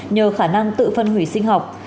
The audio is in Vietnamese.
nhờ khả năng tự phân hủy sinh học